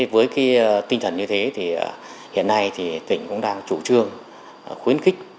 với tinh thần như thế thì hiện nay thì tỉnh cũng đang chủ trương khuyến khích